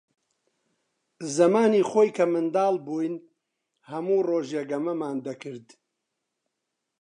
زەمانی خۆی کە منداڵ بووین، هەموو ڕۆژێ گەمەمان دەکرد.